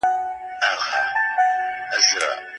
املا د الفاظو د سم ترتیب او جوړښت لپاره اړینه ده.